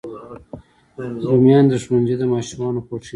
رومیان د ښوونځي ماشومانو خوښېږي